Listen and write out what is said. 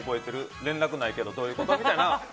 連絡ないけどどういうこと？みたいな。